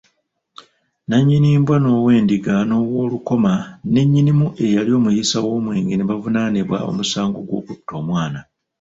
Nannyini mbwa, n'ow'endiga n'ow'olukoma ne nnyinimu eyali omuyiisa w'omwenge ne bavunaanibwa omusango gw'okutta omwana.